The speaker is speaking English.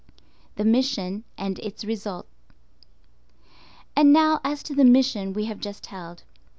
THE MISSION AND ITS RESULT. And now as to the "Mission" we have just held.